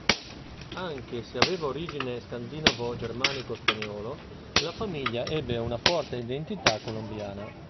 Anche se aveva origine scandinavo-germanico-spagnolo, la famiglia ebbe una forte identità colombiana.